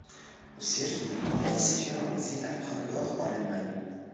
Le siège du mouvement était situé en exil, à Francfort, en Allemagne.